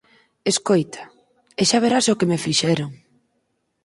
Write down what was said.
Escoita, e xa verás o que me fixeron.